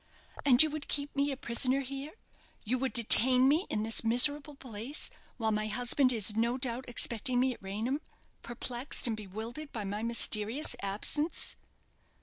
"And you would keep me a prisoner here you would detain me in this miserable place, while my husband is, no doubt, expecting me at Raynham, perplexed and bewildered by my mysterious absence?"